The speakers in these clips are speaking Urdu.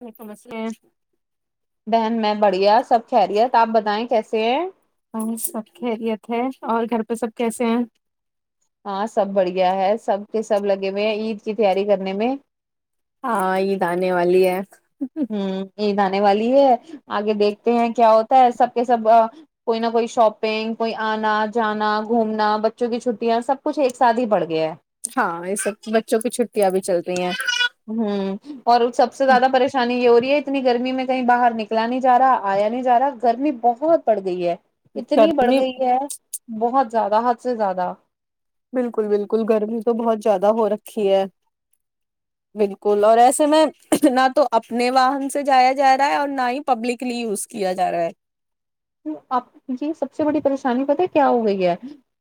ولکم السلام بہن میں بڑھیا سب خہری ہےت آپ بتائیں کیسے ہیں سب خیریت ہے اور گھر پہ سب کیسے ہیں ہاں سب بڑھیا ہے سب کے سب لگے ہوئے ہیں عید کی تیاری کرنے میں ہاں یہ د آاننے والی ہے ہوں عید آنے والی ہے آگے دیکھتے ہیں کیا ہوتا ہے سب کے سب کوئی نہ کوئی شاپنگ کوئی آنا جانا گھومنا بچوں کی چھٹیاں سب کچھ ایک ساتھ ہی بڑھ گیا ہے ہاں یہ سب بچوں کی چھٹیاں بھی چلتی ہیں ہوں اور سب سے زیادہ پریشانی ہو رہی ہے اتنی گرمی میں کہیں باہر نکلا نہیں جا رہا آیا نہیں جا رہا گرمی بہت پڑ گئی ہے اتنی بڑھ گرمی گئی ہے بہت زیادہ حد سے زیادہ بالکل بالکل گرمی تو بہت زیادہ ہو رکھی ہے بالکل اور ایسے میں نہ تو اپنے واہن سے جایا جا رہا ہے اور نہ ہی پبلکلی یوز کیا جا رہا ہے آپ جی سب سے بڑی پریشانی بت کیا ہو گئی ہے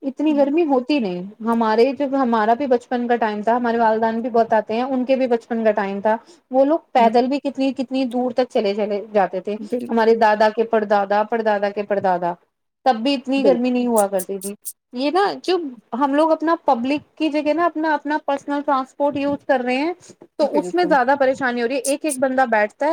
اتنی ہے گرمی ہوتی نہیں ہمارے جو ہمارا بھی بچپن کا ٹائم تھا ہمارے والدہان بھی بہت آتے ہیں ان کے بھی بچپن کا ٹائم تھا وہ لوگ پیدل بھی کتنی اتنی دور تک چلے چلے جاتے تھے بالکل ہمارے دادا کے پردادا پڑدادا کے پرڑدادا تب بھی اتنی گرمی بالکل نہیں ہوا کرتی تھی یہ نا ج ہم لوگ اپنا پبلک کی جگہ نا اپنا اپنا پرسنل ٹرانسپورٹ یوز کر رہے ہیں تو اس میں بالکل زیادہ پریشانی ہو رہی ہے ایک ایک بندہ بیٹھتا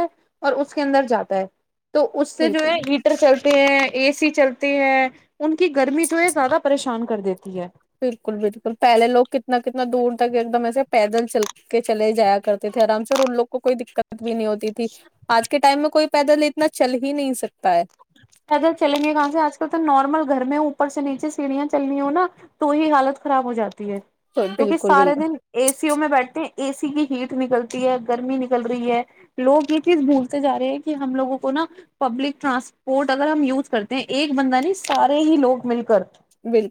اور اس کے اندر جاتا ہے تو اس سے جو بالکل ہےٹ ہیں اے سی چلتے ہیں ان کی گرمی جو ہے زیادہ پریشان کر دیتی ہے بالکل بالکل پہلے لوگ کتنا کتنا دور تک ایک دم ایسے پیدل چل کے چلے جایا کرتے تھے آرام سے اور ان لوگ کو کوئی دقت بھی نہیں ہوتی تھی آج کے ٹائم میں کوئی پیدل اتنا چل ہی نہیں سکتا ہے پیدل چلیں گے کہاں سے آج کل تو نارمل گھر میں اوپر سے نیچے سیڑھیاں چلنی ہو نا تو ہی حالت خراب ہو جاتی تو کیونکہ بالکل بالکل سارے دن اے سیوں میں بیٹھتے ہیں اے سی کی ہیٹ نکلتی ہے گرمی نکل رہی ہے لوگ یہ چیز بھولتے جا رہے ہیں کہ ہم لووں کو نا پبلک ٹرانسپورٹ پورٹ اگر ہم یوز کرتے ہیں ایک بندہ نہیں سارے ہی لوگ مل کر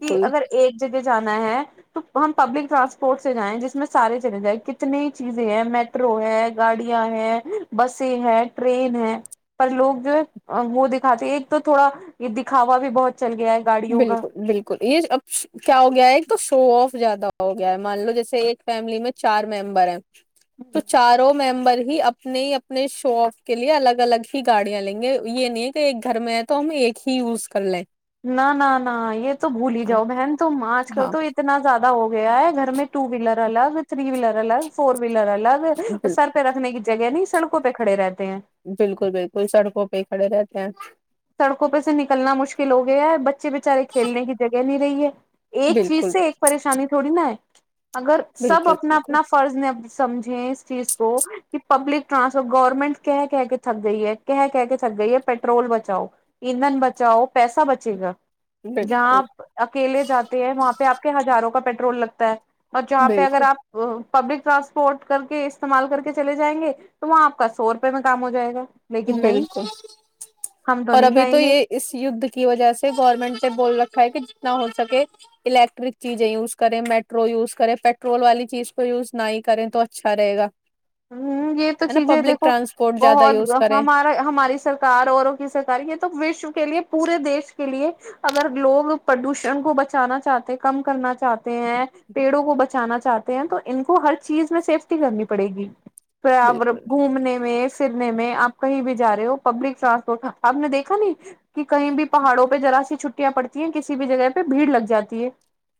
کہ اگر ایک جگہ جانا ہے تو ہم پبلک ٹرانسپورٹ سے جائیں جس میں سارے چلے جائیں کتنی چیزیں ہے میٹرو ہے گاڑیاں ہے بس ہے ٹرین ہے پر لوگ جو وہ دیک ات ایک تو تھوڑا یہ دکھاوا بھی بہت چل گیا ہے گاڑیوں کا بالکل بالکل یہ اب کیا ہو گیا ہے ایک تو شو آف زیادہ ہو گیا ہے مان لو جیسے ایک فیملی میں چار ممبر ہیں تو چاروں مم ہی اپنے ہی اپنے شو آف کے لیے الگ الگ ہی گاڑیاں لیں گے یہ نہیں ہے کہ ایک گھر میں ہے تو ہم ایک ہی یوز کر لیں نہ نہ نہ یہ تو بھول ہی جاؤ بہن ت آج کل ہاں تو اتنا زیادہ ہو گیا ہے گھر میں ٹو ویلر الگ تھری ویلر الگ فور ویلر لا الگ بالکل سر پ رکھنے کی جگہ نہیں سڑکوں پہ کڑے رہتے ہیں بالکل بالکل سڑکوں پہ ہی کھڑے رہتے ہیں سڑکوں پہ سے نکلنا مشکل ہو گیا ہے ب بچے بےچارے کھینے کی جگہ نہیں رہی ہے ایک چیز بالکل سے ایک پریشانی تھوڑی نا ہے اگر سب بالکل اپنا بالکل اپنا فرض نے سمجھیں اس چیز کو کہ پبلک ٹرانسپورٹ گورنمنٹ کہ کہ کے تھک گئی ہے کہ کہ کے تھک گئی ہے پیٹرول ب بچاؤ ایندھن بچاؤ پیسا بچے گا جہاں بالکل آپ اکیلے جاتے ہیں وہاں آپ کے ہزاروں کا پیٹرول لگتا ہے اور جہاں پہ اگر بالکل آپ پبلک ٹرانسپورٹ کر کے استعمال کر کے چلے جائیں گے تو وہاں آپ کا سو روپئے میں کام ہو جائے گا لیکن نہیں بالکل ہم اور نہیں ابھی کہیں تو گے یہ اس یدھ کی وجہ سے گورنمنٹ نے بول رکھا ہے کہ نہ ہو سکے الیکٹرک چیزیں یوز کریں میٹرو یوز کریں پیٹرول والی چیز کو یوز نہ کریں تو اچھا رہے گا ہوں یہ تو ہے نا چیزیں پبلک دیکھو ٹرانسپورٹ زیادہ یوز بہت کریں ہمارا ہماری سرکار اوروں کی سرک یہ تو وشو کے لیے پورے دیش کے لیے اگر لوگ پردوشن کو بچانا چاہتے ہیں کم کرنا چاہتے ہیں پیڑوں کو بچانا چاہ چاہتے ہیں تو ان کو ہر چیز میں سیفٹی کرنی پڑے گی [inaudible] بالکل گھومنے میں پھر میں آپ کہیں بھی جا رہے ہو پبلک ٹرانسپورٹ آپ نے دیکھا نہیں کہ کہیں بھی پہاڑوں پہ ذرا سی چھٹیاں پڑتی کسی بھی جگہ پہ بھیڑ لگ جاتی ہے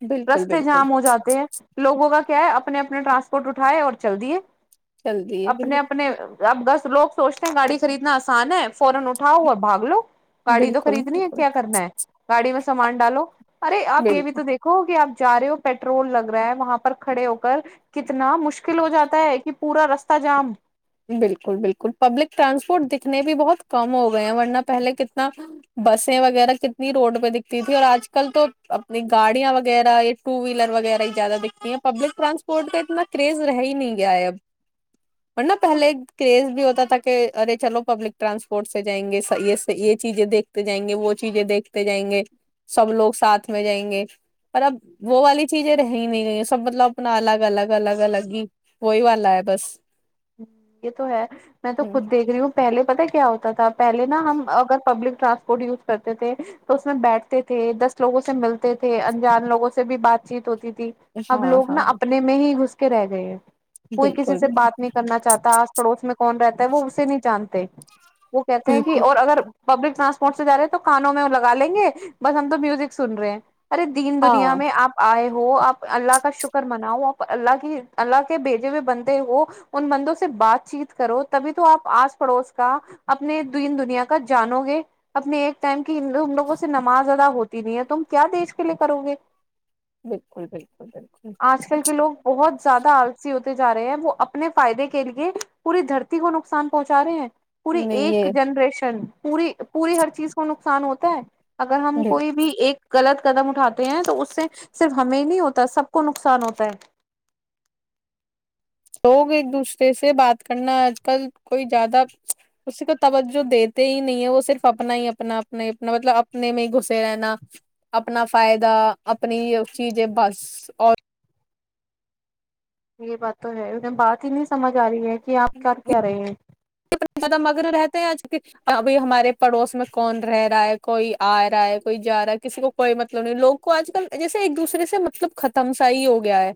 بالکل رستے بالکل جام ہو جاتے ہیں لوگوں کا کیا ہے اپنے اپنا ٹرانسپورٹ اٹھاائے اور چل دیے جلدی ہے اپنے اپنے بالکل اب دس لوگ سوچتے گاڑی خریدنا آسان ہے فورا اٹھاؤ اور بھاگ لو گاڑی تو بالکل خریدنی ہے بالکل کیا کرنا ہے گاڑی میں سامان ڈالو ارے اپ یہ بالکل بھی تو دیکھو کہ اپ چار پیٹرول لگ رہا ہے وہاں پر کھڑے ہو کر کتنا مشکل ہو جاتا ہے کہ پورا رستہ جام بالکل بالکل پبلک ٹرانسپورٹ دکھنے بھی بہت کم ہو گئے ہیں ورنہ پہلے کتنا بسیں وغیرہ کتنی روڈ پہ دکھتی تھی اور آج کل تو اپنی گاڑیاں وغیرہ ٹو ویلر وغیرہ ہی زیادہ دکھتی ہیں پبلک ٹرانسپورٹ کا اتنا کریز رہ ہی نہیں گیا ہے اب ورنہ پہلے کرز بھی ہوتا تھا کہ ارے چلو پبلک ٹرانسپورٹ سے جائیں گے یہ یہ چیزیں دیکھتے جائیں گے وہ چیزیں دیکھتے جائیں گے سب لوگ ساتھ میں جائیں گے پر اب وہ والی چیزیں رہ ہی نہیں رہی سب مطلب اپنا الگ الگ الگ الگ ہی وہی والا ہے بس یہ تو ہے میں تو خود دیکھ رہی ہوں پہلے پتا کیا ہوتا تو آ پہلےا ہم اگر پبلک ٹرانسپورٹ یوز کرتے تھے تو اس میں بیٹھتے تھے دس لوگوں سے ملتے تھے انجان لوگوں سے بھی بات چیت ہوتی تھی اب ہاں لوگ نا ہاں اپنے میں ہی گس کے رہ گئے ہیں کوئی کسی بالکل سے بات نہیں چاہتا آس پڑوس میں کون رہتا ہے وہ اسے نہیں جانتے وہ کہتے ہیں کہ بالکل اور اگر پبلک ٹرانسپ سے جا رہے ہیں تو کانوں میں لگا لیں گے بس ہم تو میوزک سن رہے ہیں ارے دین دنیا ہاں میں آپ آئے ہو آپ اللہ کا شکر مناؤ آپ اللہ کی اللہ کے بھیجے ہوئے بندے ہو ان بندوں سے بات چیت کرو تبھی تو آپ آس پڑوس کا اپنے دین دنیا کا جانو گے اپنے ایک ٹائم کی ان لوگوں سے نماز ادا ہوتی نہیں ہے تم کیا دیش کے لیے کرو گے بالکل بالکل بالکل آج کل کے لوگ بہت زیادہ آلسی ہوتے جا رہے ہیں وہ اپنے فائدے کے لیے پوری دھرتی کو نقصان پہنچا رہے ہیں پوری نہیں ایک یہ جنریشن پوری پوری ہر چیز کو نقصان ہوتا ہے اگر ہم کوئی بھی ایک غلط قدم اٹھاتے ہیں تو اس سے صرف ہمیں نہیں ہوتا سب کو نقصان ہوتا ہے لوگ ایک دوسرے سے بات کرنا آج کل کوئی زیادہ اسی کو توجہ دیتے ہی نہیں ہے وہ صرف اپنا ہی اپنا اپنا اپنا مطلب اپنے میں ہی گھسے رہنا اپنا فائدہ اپنی چیزیں بس اور یہ بات تو ہے انہیں بات ہی نہیں سمجھ آ رہی ہے کہ آپ کر کیا رہے ہیں نے زیادہ مگن رہتے ہیں آج بھائی ہمارے پڑوس میں کون رہ رہا ہے کوئی آ رہا ہے کوئی جا رہا ہے کسی کو کوئی مطلب نہیں لوگ کو آج کل جیسے ایک دوسرے سے مطلب ختم سا ہی ہو گیا ہے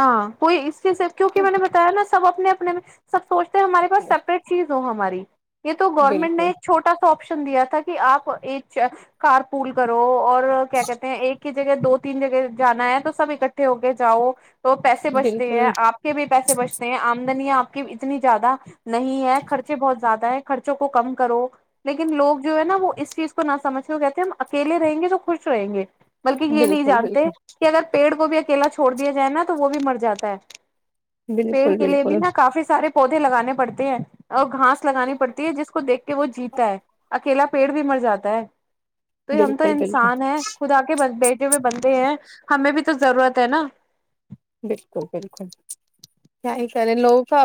ہاں کوئی اس کیونکہ میں نے بتایا نا سب اپنے اپنے میں سب سوچ ہمارے پس سپریٹ چیز ہو ہماری یہ تو گورنمنٹ نے بالکل ایک چھٹا سا آشن دیا تھا کہ آپ ایک کار پول کرو اور کیا کہتے ہیں ایک جگہ دو تین جگہ جانا ہے تو سب اکٹھے ہو کے جاؤ تو پیسے بچتے ہیں بالکل آپ کے بھی پیسے بچتے ہیں آمدنییاں آپ کہ اتنی زیادہ نہیں ہے خرچے بہت زیادہ ہے خرچوں کو کم کرو لیکن لوگ جو ہے نا وہ اس چیز کو نہ سمجھ کے کہتے ہیں ہم اکیلے رہیں گے جو خوش رہیں گے بلکہ یہ نہیں بالکل جانتے بالکل کہ اگر پیڑ کو بھی کیلا چھوڑ دیا جائے نا وہ بھی مر جاتا ہے پیڑ بالکل قلے بالکل بھی نہا کافی سارے پودے لگانے پڑتے ہیں اور گھاس لگانی پڑتی ہے جس کو دھ کے کہ وہ جیتا ہے اکیلا پیڑ بھی مر جاتا ہے تو ہم تو بالکل بالکل انسان ہے خدا کے بس بیٹھ بندے ہیں ہمیں بھی تو ضرورت ہے نا بالکل بالکل کیا کرے لوگوں کا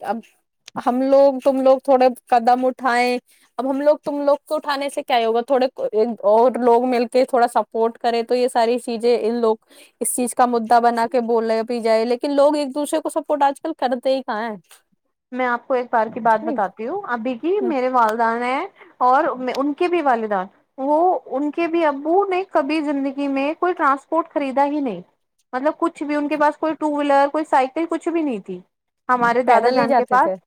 ا اب ہم لوگ تم لوگ تھوڑے قدم اٹھائے اب ہم لوگ تم لوگ کو اٹھانے سے کیا ہی ہوگا تھوڑے اور لوگ مل کے تھوڑا سپورٹ کرے تو یہ ساری چیزیں ان لوگ اس چیز کا مدا بنا کہ بولے پ جائے لیکن لوگ ایک دوسرے کو سپورٹ آج کل کرتے ہی کہاں ہے میں آپ کو ایک بار کی بات بتاتی ہوں ابھی جی میرے والدہ ہیں اور ان کے بھی والدین وہ ان کے بھی ابو نے کبھی زندگی میں کوئی ٹرانسپورٹ خریدا ہی نہیں مطلب کچھ بھی ان کے پاس کوئی ٹو ویلر کوئی سائیکل کچھ بھی نہیں تھی ہمارے دادا جان پاس تو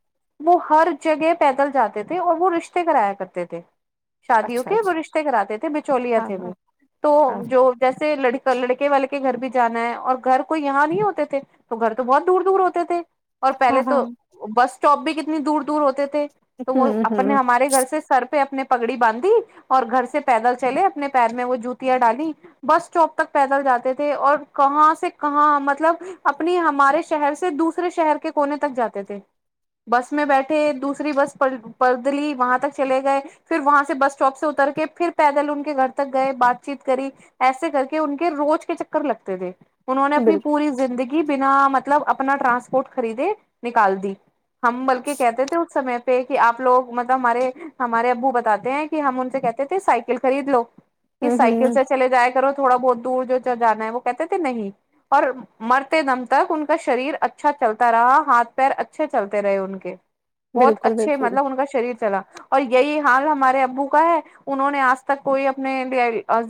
وہ ہر جگہ پیدل جاتے تھے اور وہ رشتے کرایا کرتے تھے شادیوں اچھا کے وہ اچھا رشتے کراتے تھے بچولیا ہاں تھے وہ ہاں تو ہاں جو جیسے لڑکی تو لڑکے والے کے گھر بھی جانا ہے اور گھر کوئی یہاں نہیں ہوتے تھے تو گھر تو بہت دور دور ہوتے تھے اور ہاں پہلے ہاں تو بس اسٹاپ بھی کتنی دور دور ہوتے تھ تو وہ ہوں اپنے ہوں ہمارے گھر سے سر پہ اپنے پگڑی باندھی اور گھر سے پیدل چلے اپنے پیر میں وہ جوتیاں ڈالی بس اسٹاپ تک پیدل جاتے تھے اور کہاں سے کہاں مطلب اپنی ہمارے شہر سے دوسرے شہر کے کونے تک جاتے تھے بس میں بیٹھے دوسری بس پدلی وہاں تک چلے گئے پھر وہاں سے بس اسٹاپ سے اتر کے پھر پیدل ان کے گھر تک گئے بات چیت کری ایسے کر کے ان کے روز کے چکر لگتے تھے انہوں نے اپنی بالکل پوری زندگی بنا م مطلب اپنا ٹرانسپورٹ خریدے نکال دی ہم بلکہ کہتے تھے اس سمے پہ کہ آپ لوگ مطلب ہمارے ہمارے ابو بتاتے ہیں کہ ہم ان سے کہتے تھے سائیکل خرید لو ہ کہ سائیکل ہ سے چلے جایا کرو تھوڑا بہت دور جو جانا ہے وہ کہتے تھے نہیں اور مرتے دم تک ان کا شریر اچھا چلتا رہا ہاتھ پیر اچھا اچھے چلتے رہے ان کے بہت بالکل اچھے بالکل مطلب ان کا شریر چلا اور یہی حال ہمارے بھکا ہے انہوں نے آج تک کوئی اپنے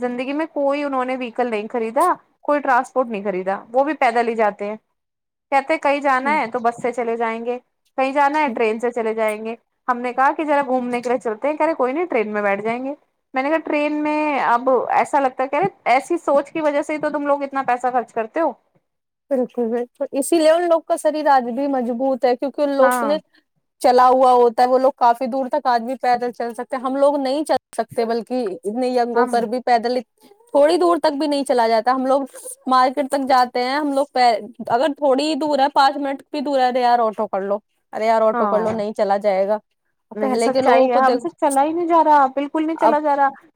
زندگی میں کوئی انہوں نے ویکل نہیں خریدا کوئی ٹرانسپورٹ نہیں خریدا وہ بھی پیدل ہی جاتے ہیں کہتے کہیں جانا ہے تو بس سے چلے گے کہیں جانا ہے ٹرین سے چلے جائیں گے ہم نے کہا کہ ذرا گھومنے کے لیے چلتے ہیں کہہ رہے کوئی نہیں ٹرین میں بیٹھ جائیں گے میں نے کہا ٹرین میں اب ایسا لگتا ہے کہہ رہے ایسی سوچ کی وجہ سے تو تم لوگ اتنا پیسہ خرچ کرتے ہو بالکل بالکل اسی لیے ان لوگ کا شریر آج بھی مضبوط ہے کیونکہ لوگ ہاں نے چلا ہوا ہوتا ہے وہ لوگ کافی دور تک آدمی پیدل چل سکتے ہم لوگ نہیں چل سکتے بلکہ نی اگوں ہم پر بھی پیدل تھوڑی دور تک بھی نہیں چلا جاتا ہم لوگ مارکیٹ تک جاتے ہیں ہم اگر تھوڑی ہی دور ہے پانچ منٹ بھی دور ہے تو یار آٹو کر لو ارے یار آٹو کر لو ہاں نہیں چلا جائے گا نہیں پہلے کے لوگوں سچائی ہے کو ہم دیکھ سے چلا ہی نہیں جا رہا بالکل نہیں اب چلا جا رہا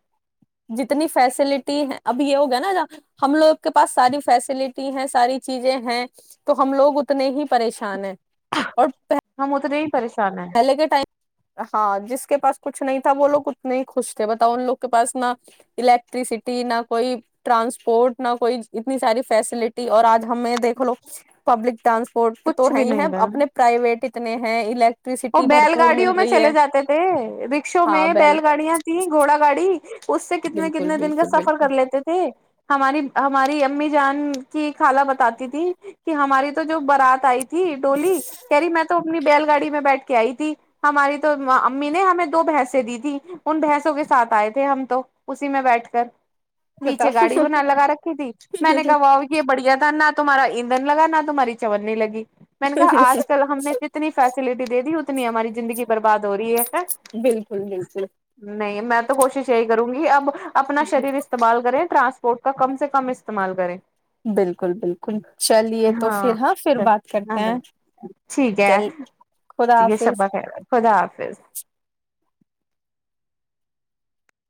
جتنی فیسلٹی ہیں اب یہ ہو گیا نا ہم لوگ کے پاس ساری فیسلٹی ہیں ساری چیزیں ہیں تو ہم لوگ اتنے ہی پریشان ہیں اور ہاں مت دی پریشان ہے پہلے کے ٹائم ہاں جس کے پاس کچھ نہیں تھا وہ لوگ اتنے ہی خوش تھے بتاؤ ان لوگ کے پس نہ الیکٹرسٹی نہ کوئی ٹرانسپورٹ نہ کوئی اتنی ساری فیسلٹی اور آج ہمیں دیکھ لو پبلک ٹرانس پٹ تو کچھ ہے بھی ہی ہے نہیں اپنے پرائیوٹ تنے ہیں ال وہ بیل گاڑیوں میں چلے جاتے تھے رکشوں میں بیل گاڑیاں تھیں گھوڑا گاڑی اس سے کتنے بالکل کتنے دن کا بالکل سفر بالکل کر لیتے تھے ہماری ہماری امی جان کی خالہ بتاتی تھھی کہ ہماری تو جو بارات آئی تھی ڈولی کہہ رہی میں تو اپنی بیل گاڑی میں بیٹھھی آئی تھی ہماری تو امی نے ہمیں دو بھینسیں دی تھی ان بھینسوں کے ساتھ آئے تھے ہم تو اسی میں بیٹھ کر بتاؤ پیچھے گاڑی وہ نہ لگا رکھی تھی میں نے کہا و یہ بڑھیا تھا نہ تمہا ادھ لگا نہ تمہاری چورنی لگی میں نے کہا بالکل آج کل ہم نے جتنی فیسلٹی اتنی ہماری زندگی برباد ہو رہی ہے بالکل نہیں میں تو کوشش یہی کروں گی اب اپنا شریر استعمال کر ٹرانسپورٹ کا کم سے کم استعمال کریں بالکل بالکل چلیے تو پھر ہاں پھر بات کرتے ہاں ہیں ٹھیک ہے چل خدا یہ حافظ شباخرات خدا حافظ